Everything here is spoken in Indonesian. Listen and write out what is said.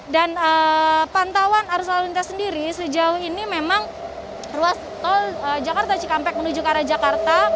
dan pantauan arus lalu lintas sendiri sejauh ini memang ruas tol jakarta cikampek menuju ke arah jakarta